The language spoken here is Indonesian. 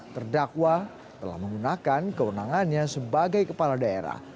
terdakwa telah menggunakan kewenangannya sebagai kepala daerah